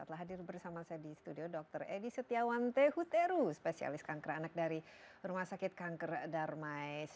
telah hadir bersama saya di studio dr edi setiawan tehuteru spesialis kanker anak dari rumah sakit kanker darmais